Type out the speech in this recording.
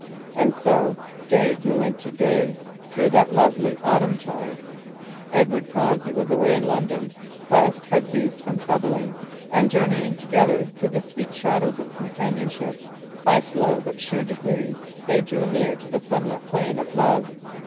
And so day grew into day through that lovely autumn tide. Edward Cossey was away in London, Quest had ceased from troubling, and journeying together through the sweet shadows of companionship, by slow but sure degrees they drew near to the sunlit plain of love.